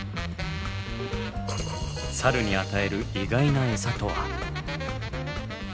サルに与える意外なエサとは？